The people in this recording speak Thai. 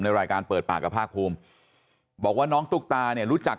รายการเปิดปากกับภาคภูมิบอกว่าน้องตุ๊กตาเนี่ยรู้จัก